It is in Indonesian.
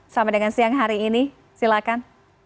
sama dengan siang hari ini silakan